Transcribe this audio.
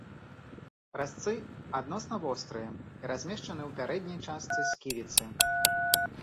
Разцы адносна вострыя і размешчаны ў пярэдняй частцы сківіцы.